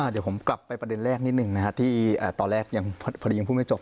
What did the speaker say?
เดี๋ยวผมกลับไปประเด็นแรกนิดหนึ่งนะครับที่ตอนแรกยังพอดียังพูดไม่จบ